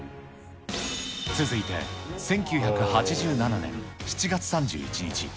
続いて、１９８７年７月３１日。